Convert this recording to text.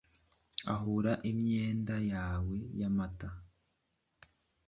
ahumura imyenda yawe y'amata,